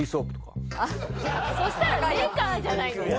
そしたらメーカーじゃないんですか？